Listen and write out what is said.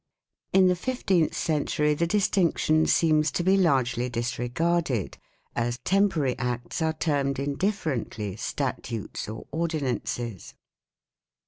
1 In the fifteenth century the dis tinction seems to be largely disregarded, as temporary acts are termed indifferently statutes or ordinances.